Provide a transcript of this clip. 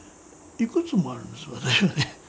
いくつもあるんです私はね。